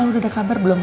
lu udah ada kabar belum